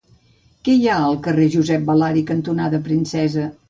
Què hi ha al carrer Josep Balari cantonada Princesa?